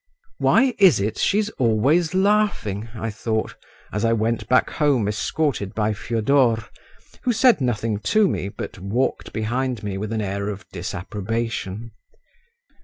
"Why is it she's always laughing?" I thought, as I went back home escorted by Fyodor, who said nothing to me, but walked behind me with an air of disapprobation.